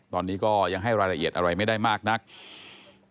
ตอนนี้ก็ยังให้รายละเอียดอะไรไม่ได้มากนัก